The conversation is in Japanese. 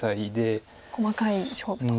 細かい勝負と。